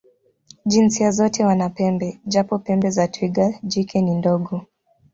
Jinsia zote wana pembe, japo pembe za twiga jike ni ndogo.